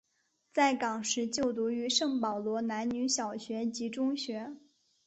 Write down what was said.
在港时就读于圣保罗男女小学及中学。